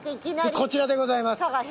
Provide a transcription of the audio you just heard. こちらでございます。